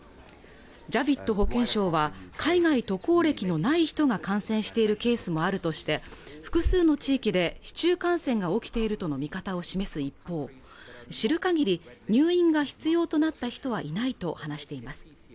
ジャヴィット保健相は海外渡航歴のない人が感染しているケースもあるとして複数の地域で市中感染が起きているとの見方を示す一方知る限り入院が必要となった人はいないと話しています